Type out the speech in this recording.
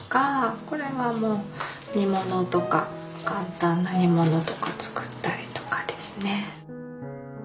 これは煮物とか簡単な煮物とか作ったりとかですね。